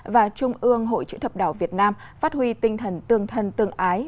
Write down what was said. và trung ương hội chữ thập đỏ việt nam phát huy tinh thần tương thân tương ái